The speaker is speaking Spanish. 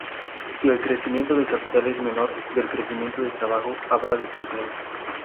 Si el crecimiento del capital es menor del crecimiento del trabajo, habrá desempleo.